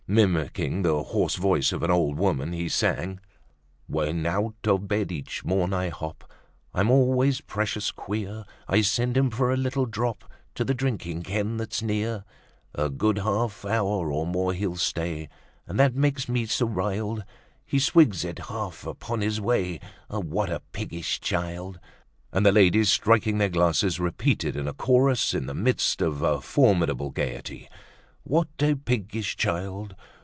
Mimicking the hoarse voice of an old woman, he sang: "When out of bed each morn I hop, I'm always precious queer; I send him for a little drop To the drinking den that's near. A good half hour or more he'll stay, And that makes me so riled, He swigs it half upon his way: What a piggish child!" And the ladies, striking their glasses, repeated in chorus in the midst of a formidable gaiety: "What a piggish child!